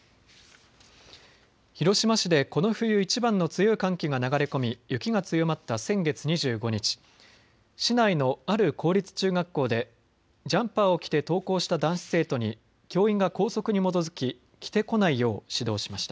広島市でこの冬いちばんの強い寒気が流れ込み雪が強まった先月２５日、市内のある公立中学校でジャンパーを着て登校した男子生徒に教員が校則に基づき着てこないよう指導しました。